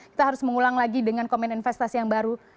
kita harus mengulang lagi dengan komen investasi yang baru